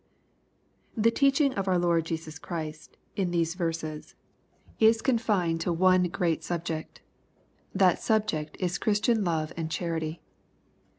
The teaching of oui Lord Jesus Christy in these veraeSy LUKE, CHAP. VI. 183 is confined to one great subject. That subject is Chris tian love and charity.